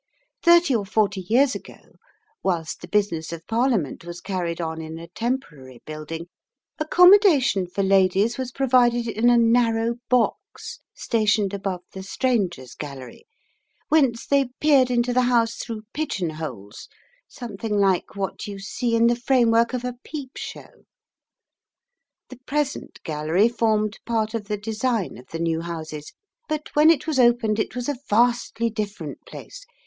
Thirty or forty years ago, whilst the business of Parliament was carried on in a temporary building, accommodation for ladies was provided in a narrow box stationed above the Strangers' Gallery, whence they peered into the House through pigeon holes something like what you see in the framework of a peep show. The present Gallery formed part of the design of the new Houses, but when it was opened it was a vastly different place.